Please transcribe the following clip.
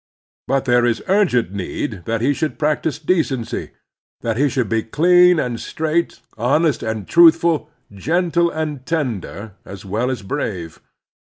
But there is urgent need that he should practise decency; that he should be clean and straight, honest and truthful, gentle and tender, as well as brave.